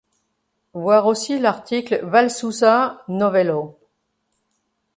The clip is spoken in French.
Voir aussi l’article Valsusa novello.